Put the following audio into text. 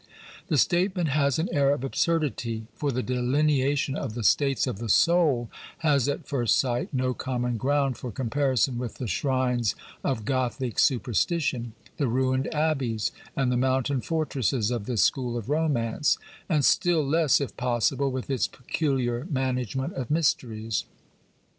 The statement has an air of absurdity, for the delineation of the states of the soul has at first sight no common ground for comparison with the " shrines of Ciothic superstition," the ruined abbeys and the mountain fortresses of this school of romance, and still less, if possible, with its peculiar management of mysteries.